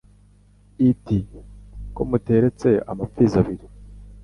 Iti « ko muteretse amapfizi abiri,